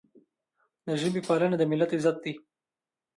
د ژبې پالنه د ملت عزت دی.